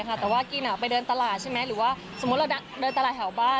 แต่ว่ากินไปเดินตลาดใช่ไหมหรือว่าสมมุติเราเดินตลาดแถวบ้าน